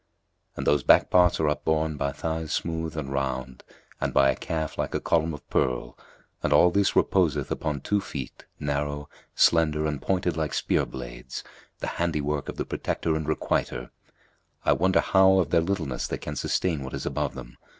'[FN#246] And those back parts are upborne by thighs smooth and round and by a calf like a column of pearl, and all this reposeth upon two feet, narrow, slender and pointed like spear blades,[FN#247] the handiwork of the Protector and Requiter, I wonder how, of their littleness, they can sustain what is above them.